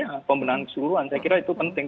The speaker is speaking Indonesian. ya pembenahan keseluruhan saya kira itu penting